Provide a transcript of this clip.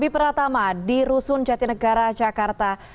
pratama di rusun jatinegara jakarta